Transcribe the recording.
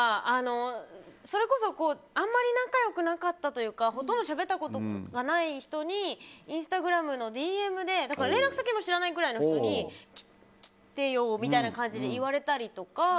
それこそあんまり仲良くなかったというかほとんどしゃべったことがない人にインスタグラムのＤＭで連絡先も知らないぐらいの人に来てよ、みたいな感じで言われたりとか。